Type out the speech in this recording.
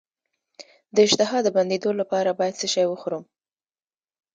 د اشتها د بندیدو لپاره باید څه شی وخورم؟